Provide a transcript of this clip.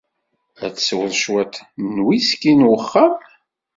Ad tesweḍ cwiṭ n uwiski n uxxam?